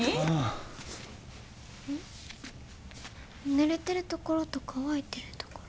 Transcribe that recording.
ぬれてるところと乾いてるところが。